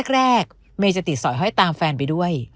แรกเมย์จะติดสอยห้อยตามแฟนไปด้วย